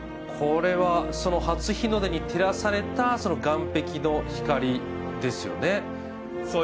これは初日の出に照らされた岸壁の光ですよね。